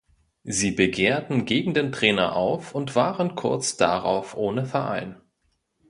Sie begehrten gegen den Trainer auf und waren kurz darauf ohne Verein.